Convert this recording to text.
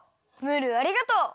ムールありがとう。